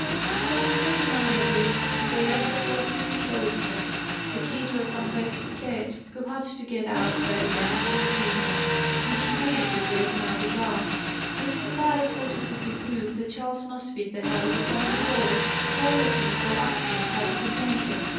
There was no denying it, and they left the cloisters and closed them. The keys were conveyed to Ketch, who had to get out of bed again to receive them, which he did with a great amount of wrath. Mr. Pye thought it would be proved that Charles must be at the house of one of the boys, carelessness or accident having detained him.